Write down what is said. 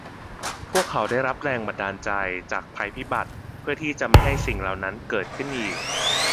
พวกเขาได้รับแรงบันดาลใจจากภัยพิบัติเพื่อที่จะไม่ให้สิ่งเหล่านั้นเกิดขึ้นอีก